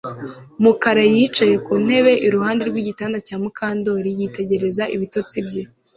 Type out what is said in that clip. Mukara yicaye ku ntebe iruhande rwigitanda cya Mukandoli yitegereza ibitotsi bye